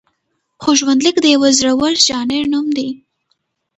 خو ژوندلیک د یوه زړور ژانر نوم دی.